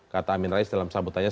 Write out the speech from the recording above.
kata amin rais dalam sambutannya